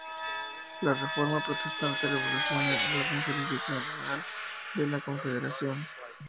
La Reforma protestante revoluciona el orden jurisdiccional de la Confederación.